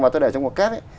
mà tôi để trong một kép ấy